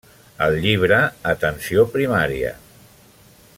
El llibre Atenció Primària.